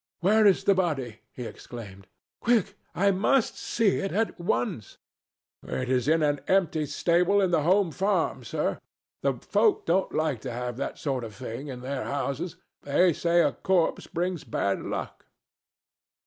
"Where is the body?" he exclaimed. "Quick! I must see it at once." "It is in an empty stable in the Home Farm, sir. The folk don't like to have that sort of thing in their houses. They say a corpse brings bad luck."